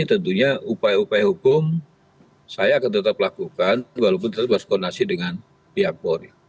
tentunya upaya upaya hukum saya akan tetap lakukan walaupun kita berkoordinasi dengan pihak polri